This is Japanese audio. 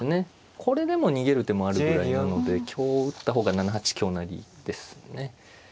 これでも逃げる手もあるぐらいなので香を打った方が７八香成ですね。